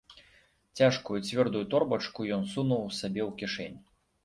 Цяжкую, цвёрдую торбачку ён сунуў сабе ў кішэнь.